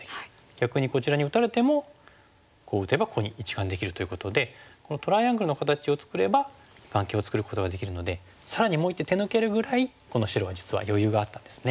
逆にこちらに打たれてもこう打てばここに１眼できるということでこのトライアングルの形を作れば眼形を作ることができるので更にもう一手手抜けるぐらいこの白は実は余裕があったんですね。